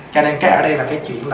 cho nên ở đây là cái chuyện